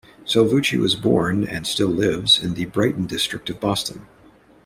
Salvucci was born, and still lives, in the Brighton district of Boston.